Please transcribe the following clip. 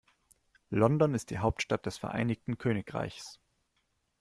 London ist die Hauptstadt des Vereinigten Königreichs.